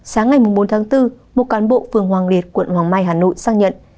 sáng ngày bốn tháng bốn một cán bộ phường hoàng liệt quận hoàng mai hà nội xác nhận